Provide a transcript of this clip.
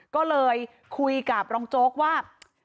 ก็เลยคุยกับรองโจ๊กว่า